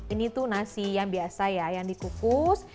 ini tuh nasi yang biasa ya yang dikukus